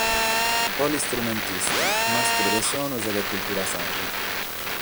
Polistrumentista, mastru de sonos e de cultura sarda.